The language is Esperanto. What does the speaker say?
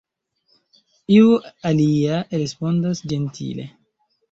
Iu alia, respondas ĝentile.